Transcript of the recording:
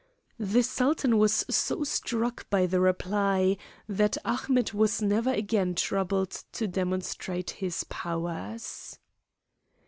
The Sultan was so struck by the reply that Ahmet was never again troubled to demonstrate his powers.